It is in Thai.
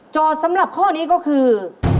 สำหรับข้อนี้ก็คือ